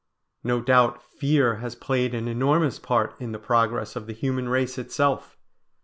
No doubt fear has played an enormous part in the progress of the human race itself.